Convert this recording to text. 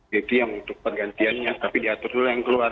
jadi yang untuk pergantiannya tapi diatur dulu yang keluar